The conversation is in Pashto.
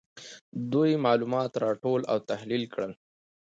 دوی معلومات راټول او تحلیل کړل.